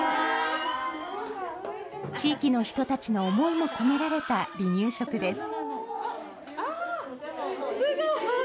地域の人たちの思いも込められた離乳食です。